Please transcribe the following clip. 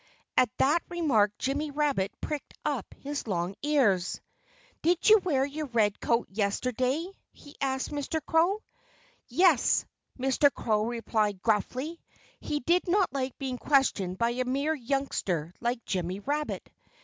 At that remark Jimmy Rabbit pricked up his long ears. "Did you wear your red coat yesterday?" he asked Mr. Crow. "Yes!" Mr. Crow replied gruffly. He did not like being questioned by a mere youngster like Jimmy Rabbit.